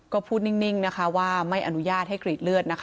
ก็พูดนิ่งนะคะว่าไม่อนุญาตให้กรีดเลือดนะคะ